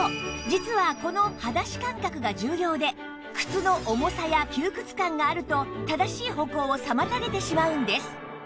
実はこの裸足感覚が重要で靴の重さや窮屈感があると正しい歩行を妨げてしまうんです